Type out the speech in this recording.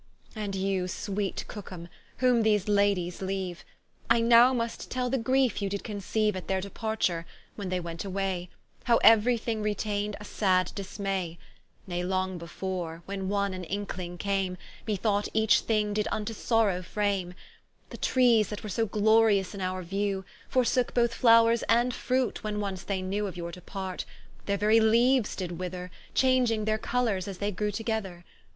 And you sweet Cooke ham, whom these Ladies leaue, I now must tell the griefe you did conceaue At their departure; when they went away, How euery thing retaind a sad dismay: Nay long before, when one an inkeling came, Me thought each thing did vnto sorrow frame: The trees that were so glorious in our view, Forsooke both flowres and fruit, when once they knew Of your depart, their very leaues did wither, Changing their colours as they grewe together.